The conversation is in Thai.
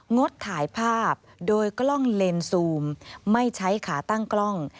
งดถ่ายภาพโดยกล้องเลนซูมไม่ใช้ขาตั้งกล้อง